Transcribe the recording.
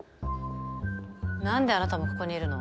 何であなたもここにいるの？